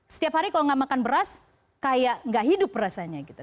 setiap hari kalau nggak makan beras kayak gak hidup rasanya gitu